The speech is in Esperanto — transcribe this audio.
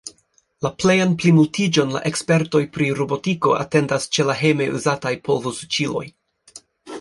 La plejan plimultiĝon la ekspertoj pri robotiko atendas ĉe la hejme uzataj polvosuĉiloj.